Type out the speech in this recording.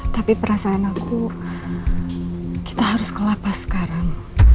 tapi perasaan aku kita harus kelapas sekarang